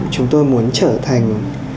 chúng tôi muốn trở thành